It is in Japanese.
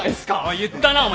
言ったなお前。